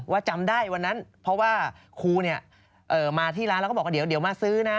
จำได้วันนั้นเพราะว่าครูเนี่ยมาที่ร้านแล้วก็บอกว่าเดี๋ยวมาซื้อนะ